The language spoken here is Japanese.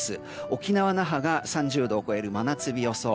沖縄・那覇が３０度を超える真夏日予想。